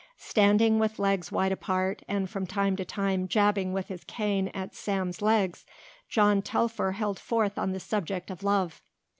Standing with legs wide apart and from time to time jabbing with his cane at Sam's legs, John Telfer held forth on the subject of love.